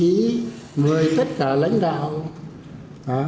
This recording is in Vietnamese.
mời tất cả các đồng chí mời tất cả các đồng chí mời tất cả các đồng chí mời tất cả các đồng chí